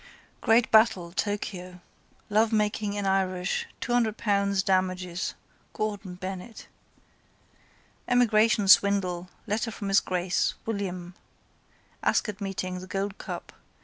Great battle, Tokio. Lovemaking in Irish, £ 200 damages. Gordon Bennett. Emigration Swindle. Letter from His Grace. William ✠. Ascot meeting, the Gold Cup.